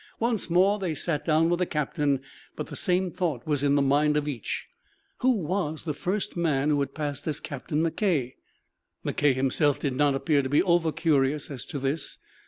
Once more they sat down with a captain, but the same thought was in the mind of each who was the first man who had passed as Captain McKay? McKay himself did not appear to be over curious as to this.